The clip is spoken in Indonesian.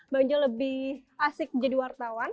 bang jho lebih asik menjadi wartawan